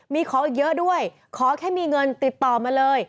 มีขออีกเยอะด้วยขอแค่มีเงินติดต่อมาเลย